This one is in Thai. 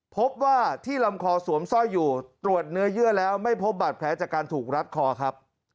พบว่าที่ลำคอสวมสร้อยอยู่ตรวจเนื้อเยื่อแล้วไม่พบบาดแผลจากการถูกรัดคอครับ